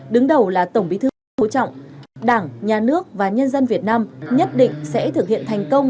đứng đầu là tổng bí thư nguyễn phú trọng đảng nhà nước và nhân dân việt nam nhất định sẽ thực hiện thành công